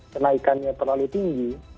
kenaikannya terlalu tinggi